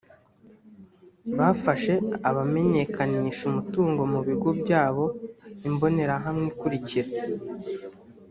bafashe abamenyekanisha umutungo mu bigo byabo imbonerahamwe ikurikira